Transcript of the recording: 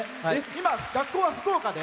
今、学校は福岡で。